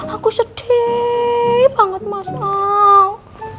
aku sedih banget mas al